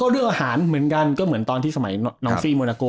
เรื่องอาหารเหมือนกันก็เหมือนตอนที่สมัยน้องซี่โมนาโก